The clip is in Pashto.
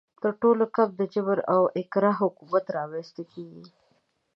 تر ټولو کم د جبر او اکراه حکومت رامنځته کیږي.